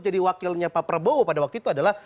jadi wakilnya pak perbowo pada waktu itu adalah